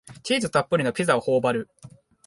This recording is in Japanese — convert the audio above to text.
チーズたっぷりのピザをほおばる